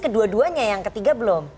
kedua duanya yang ketiga belum